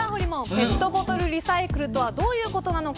ペットボトルリサイクルとはどういうことなのか。